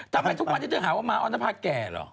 ทำไมทุกวันที่เจ้าหาว่ามาอ่อนภาพแกหรอ